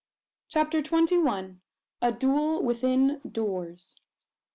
CHAPTER TWENTY ONE. A DUEL WITHIN DOORS.